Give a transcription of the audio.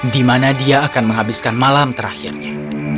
di mana dia akan menghabiskan malam terakhirnya